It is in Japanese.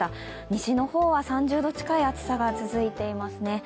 西の方は３０度近い暑さが続いていますね。